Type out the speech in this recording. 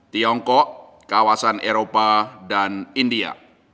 tiongkok kawasan eropa dan india